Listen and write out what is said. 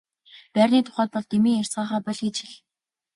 Байрны тухайд бол дэмий ярьцгаахаа боль гэж хэл.